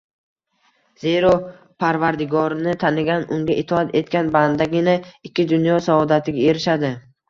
Zero, Parvardigorini tanigan, Unga itoat etgan bandagina ikki dunyo saodatiga erishadi.